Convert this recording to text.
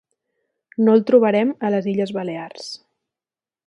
No el trobarem a les Illes Balears.